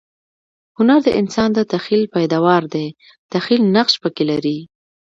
هنر د انسان د تخییل پیداوار دئ. تخییل نقش پکښي لري.